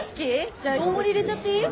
じゃあ大盛り入れちゃっていい？